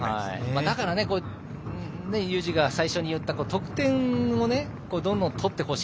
佑二が最初に言った得点をどんどん取ってほしい。